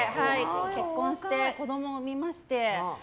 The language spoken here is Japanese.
結婚して、子供を産みまして。